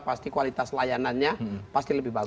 pasti kualitas layanannya pasti lebih bagus